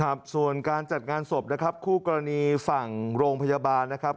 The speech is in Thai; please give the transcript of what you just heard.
ครับส่วนการจัดงานศพนะครับคู่กรณีฝั่งโรงพยาบาลนะครับ